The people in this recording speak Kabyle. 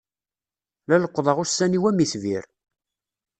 La leqqḍeɣ ussan-iw am itbir.